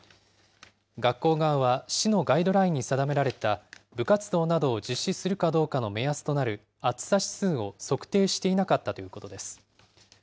学校側は、市のガイドラインに定められた、部活動などを実施するかどうかの目安となる暑さ指数を測定していなかったということです。